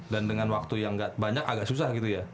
dan dengan waktu yang nggak banyak agak susah gitu ya